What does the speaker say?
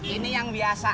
ini yang biasa